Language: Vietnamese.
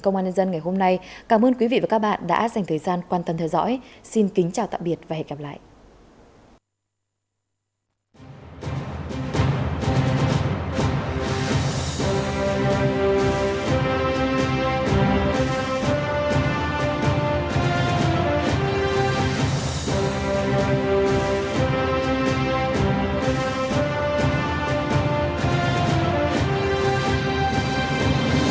hãy đăng ký kênh để ủng hộ kênh mình nhé